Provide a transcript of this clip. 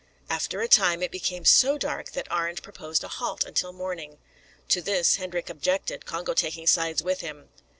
After a time it became so dark that Arend proposed a halt until morning. To this Hendrik objected, Congo taking sides with him.